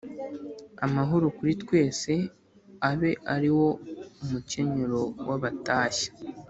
amahoro kuri twese abe ariwo umucyenyero w’abatashya